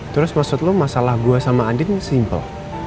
terus maksud lo masalah gue sama andin simpel